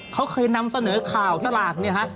เขาเคยนำเสนอข่าวสลากเนี่ยฮะ